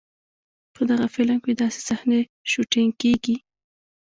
په دغه فلم کې داسې صحنې شوټېنګ کېږي.